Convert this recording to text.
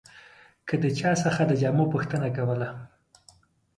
که د چا څخه د جامو پوښتنه کوله.